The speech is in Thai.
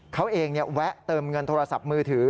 เขาเองแวะเติมเงินโทรศัพท์มือถือ